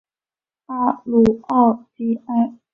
拉鲁奥迪埃。